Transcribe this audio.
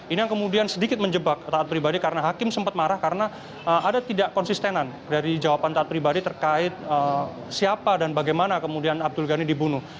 ini yang kemudian sedikit menjebak taat pribadi karena hakim sempat marah karena ada tidak konsistenan dari jawaban taat pribadi terkait siapa dan bagaimana kemudian abdul ghani dibunuh